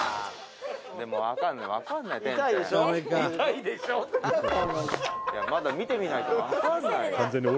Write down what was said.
「いや、まだ見てみないとわかんないよ」